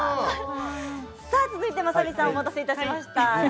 続いてまさみさんお待たせしました。